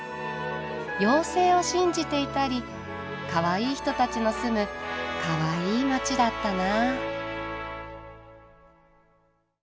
妖精を信じていたりかわいい人たちの住むかわいい街だったな。